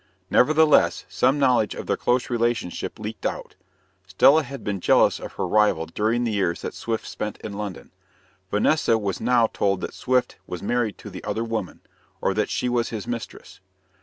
Nevertheless, some knowledge of their close relationship leaked out. Stella had been jealous of her rival during the years that Swift spent in London. Vanessa was now told that Swift was married to the other woman, or that she was his mistress.